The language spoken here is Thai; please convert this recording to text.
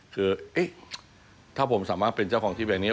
คือถ้าผมสามารถเป็นเจ้าของที่แบรนนี้